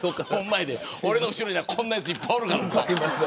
俺の後ろにはこんなやついっぱいおるからな。